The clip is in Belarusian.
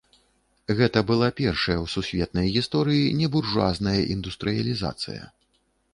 Гэта была першая ў сусветнай гісторыі небуржуазная індустрыялізацыя.